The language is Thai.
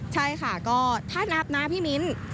ใช่ค่ะก็ถ้านับนะพี่มิ้น